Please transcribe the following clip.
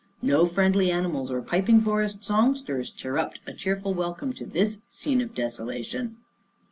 No friendly animals or piping forest song sters chirruped a cheerful welcome to this scene of desolation.